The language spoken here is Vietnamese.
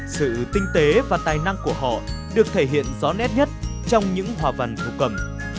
sự tinh tế và tài năng của họ được thể hiện rõ nét nhất trong những hòa văn thổ cầm